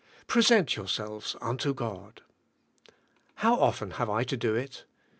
Present yourselves unto God. How often have I to do it ?